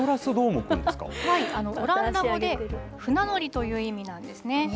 はい、オランダ語で船乗りという意味なんですね。